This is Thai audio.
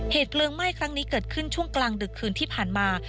เพลิงไหม้ครั้งนี้เกิดขึ้นช่วงกลางดึกคืนที่ผ่านมา